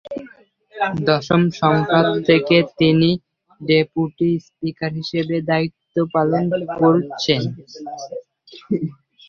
দশম সংসদ থেকে তিনি ডেপুটি স্পিকার হিসেবে দায়িত্ব পালন করছেন।